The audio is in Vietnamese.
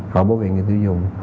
họ bảo vệ người tiêu dùng